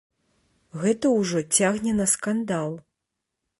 Гэта ўжо цягне на скандал.